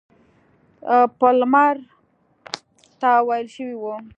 پالمر ته ویل شوي وه.